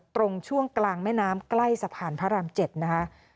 ตรงช่วงกลางแม่น้ำใกล้สะพานพระราม๗นะคะ